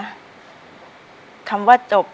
ถ้าทุกคนแอบแบบนี้